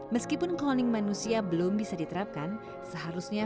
meskipun cloning manusia belum bisa dikonsumsi